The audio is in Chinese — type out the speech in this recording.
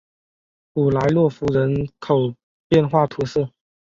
普莱洛夫人口变化图示